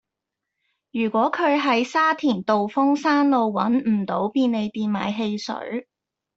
如果佢喺沙田道風山路搵唔到便利店買汽水